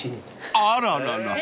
［あららら］